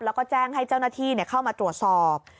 แล้วก็แจ้งให้เจ้าหน้าที่เข้ามาตรวจสอบ